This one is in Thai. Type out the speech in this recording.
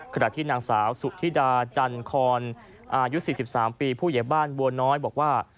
ขณะที่นางสาวสุธิดาจันคอนอายุ๔๓ปีผู้ใหญ่บ้านบัวน้อยบอกว่า